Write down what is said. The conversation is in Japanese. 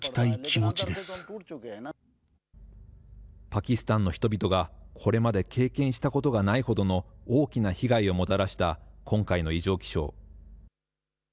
パキスタンの人々が、これまで経験したことがないほどの大きな被害をもたらした今回の異常気象。